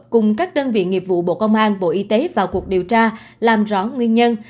cùng các đơn vị nghiệp vụ bộ công an bộ y tế vào cuộc điều tra làm rõ nguyên nhân